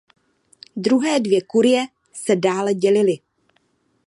Druhé dvě kurie se dále dělily.